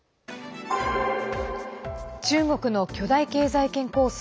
中国の巨大経済圏構想